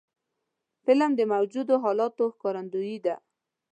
فلم د موجودو حالاتو ښکارندوی دی